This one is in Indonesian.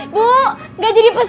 ibu gak jadi pesen